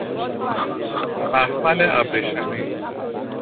مخمل ابریشمی